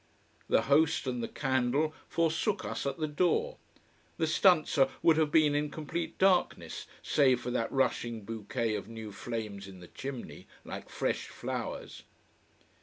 The host, and the candle, forsook us at the door. The stanza would have been in complete darkness, save for that rushing bouquet of new flames in the chimney, like fresh flowers.